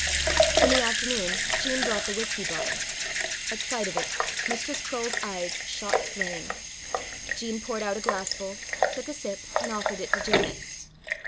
In the afternoon Jean brought the whisky bottle. At sight of it, Mistress Croale's eyes shot flame. Jean poured out a glassful, took a sip, and offered it to Janet.